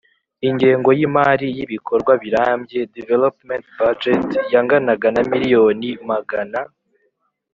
Ingengo y Imari y ibikorwa birambye Development Budget yanganaga na miliyoni magana